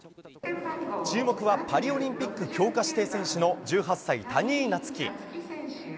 注目はパリオリンピック強化指定選手の１８歳、谷井菜月。